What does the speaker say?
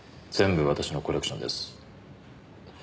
全部私のコレクションです。